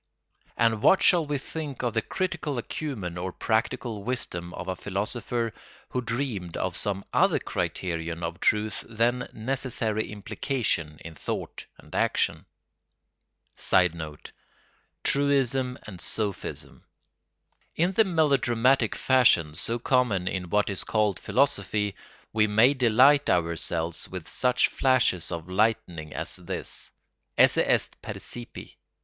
And what shall we think of the critical acumen or practical wisdom of a philosopher who dreamed of some other criterion of truth than necessary implication in thought and action? [Sidenote: Truism and sophism.] In the melodramatic fashion so common in what is called philosophy we may delight ourselves with such flashes of lightning as this: esse est percipi.